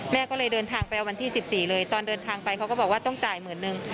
แม่ก็เลยเดินทางไปเอาวันที่๑๔เลยตอนเดินทางไปเขาก็บอกว่าต้องจ่ายหมื่นนึง